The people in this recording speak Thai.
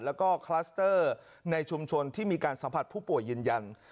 แล้วก็คลัสเตอร์ในชุมชนที่มีการสัมผัสผู้ป่วยยืนยัน